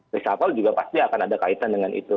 risa paul juga pasti akan ada kaitan dengan itu